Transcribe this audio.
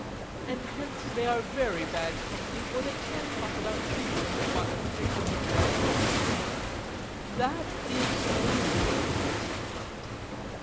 And hence they are very bad company, for they can talk about nothing but the praises of wealth. That is true, he said.